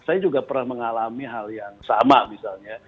saya juga pernah mengalami hal yang sama misalnya